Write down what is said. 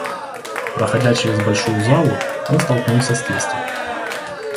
Проходя через большую залу, он столкнулся с тестем.